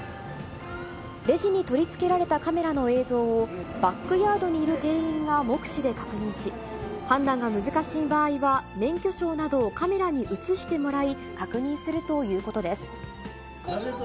レジに取り付けられたカメラの映像を、バックヤードにいる店員が目視で確認し、判断が難しい場合は、免許証などをカメラに映してもらい、確認するということです。